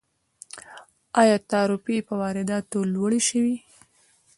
آیا تعرفې په وارداتو لوړې شوي؟